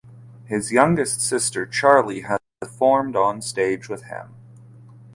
His youngest sister Charley has performed on stage with him.